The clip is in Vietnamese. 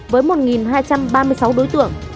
với một hai trăm ba mươi sáu đối tượng